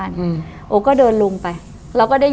โล่งเลย